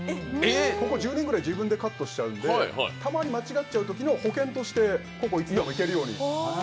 ここ１０年ぐらい自分でカットしちゃうんですけど、間違ったときの保険としていつでも行けるように。